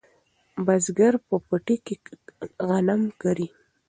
بزګر په پټي کې غنم کري.